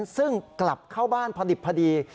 ซึ่งกลับเข้าบ้านพอดิบพอดี